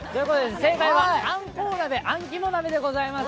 正解はあんこう鍋、あんきも鍋でございます。